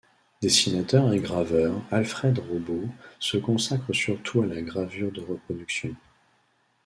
Dessinateur et graveur, Alfred Robaut se consacre surtout à la gravure de reproduction.